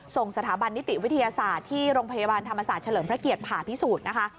ส่งสถาบันนิติวิทยาศาสตร์ที่โรงพยาบาลธรรมศาสตร์เฉลิมพระเกียรติผ่าพิสูจน์นะคะ